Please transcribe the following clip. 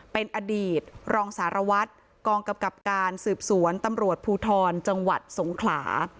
เป็นอดีตรองสารวัตรกองกำกับการสืบสวนตำรวจภูทรจังหวัดสงขลา